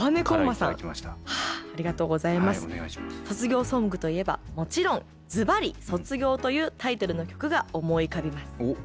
「卒業ソングといえばもちろんずばり『卒業』というタイトルの曲が思い浮かびます。